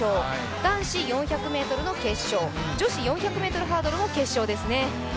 男子４００ｍの決勝、女子４００ｍハードルも決勝ですね。